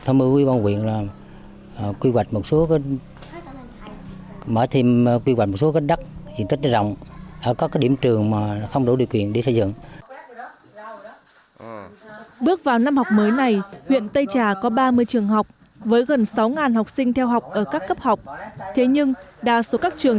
thế nhưng đa số các trường trên đường không có khó khăn để xây dựng